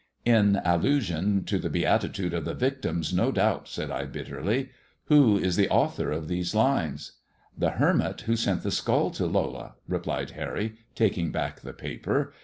In allusion to the beatitude of the victims, no doubt/ said I bitterly. Who is the author of these lines) "The hermit who sent the skull to Lola,'' replied taking back the paper.